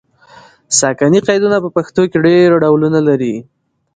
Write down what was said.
ساکني قیدونه په پښتو کې ډېر ډولونه لري.